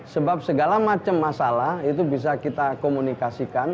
sebab segala macam masalah itu bisa kita komunikasikan